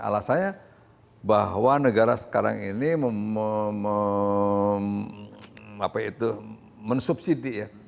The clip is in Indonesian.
alasannya bahwa negara sekarang ini mensubsidi ya